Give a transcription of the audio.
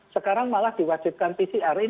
sekarang malah diwajibkan pcr